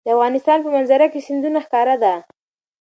د افغانستان په منظره کې سیندونه ښکاره ده.